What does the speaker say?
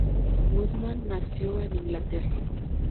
Woodman nació en Inglaterra.